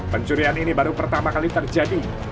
pencurian ini baru pertama kali terjadi